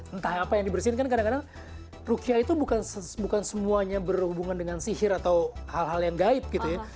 entah apa yang dibersihin kan kadang kadang rukyah itu bukan semuanya berhubungan dengan sihir atau hal hal yang gaib gitu ya